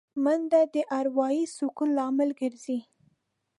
منډه د اروايي سکون لامل ګرځي